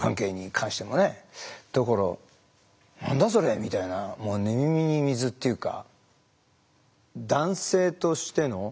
だから「何だそれ？」みたいな「寝耳に水」というか。